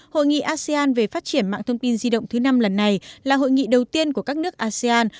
hội nghị asean về phát triển mạng thông tin di động thứ năm lần này là hội nghị đầu tiên của các nước asean